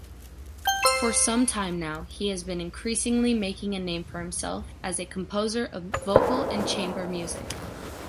For some time now, he has been increasingly making a name for himself as a composer of vocal and chamber music.